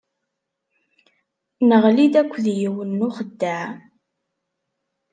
Neɣli-d akked yiwen n uxeddaɛ.